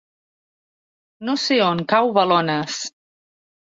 No sé on cau Balones.